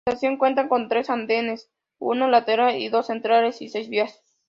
La estación cuenta con tres andenes, uno lateral y dos centrales y seis vías.